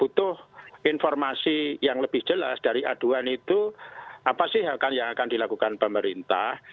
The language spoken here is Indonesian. butuh informasi yang lebih jelas dari aduan itu apa sih yang akan dilakukan pemerintah